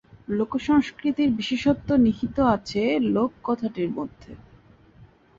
লোকসংস্কৃতির বিশেষত্ব নিহিত আছে 'লোক' কথাটির মধ্যে।